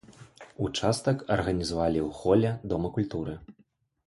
Участак арганізавалі ў холе дома культуры.